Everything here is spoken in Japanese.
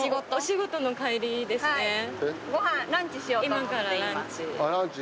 今からランチ。